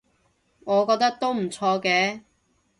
我覺得都唔錯嘅